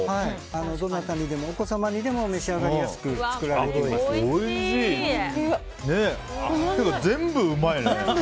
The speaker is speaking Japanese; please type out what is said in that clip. どなたにでも、お子様にでも召し上がりやすく全部うまいね。